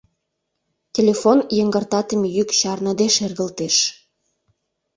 Телефон йыҥгыртатыме йӱк чарныде шергылтеш.